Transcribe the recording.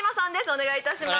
お願いいたします。